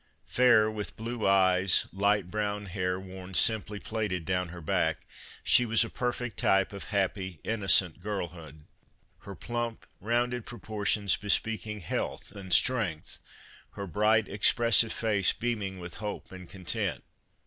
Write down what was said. Fair, with blue eyes, light brown hair worn simply plaited down her back, she was a perfect type of happy, innocent girlhood, her plump, rounded pro portions bespeaking health and strength, her bright, expressive face beaming with hope and content.